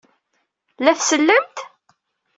La tsellemt?